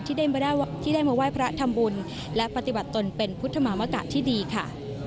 ที่ได้มาไหว้พระทำบุญและปฏิบัติตนเป็นพุทธมามกะที่ดีค่ะ